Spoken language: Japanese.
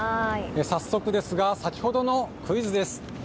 早速ですが、先ほどのクイズです。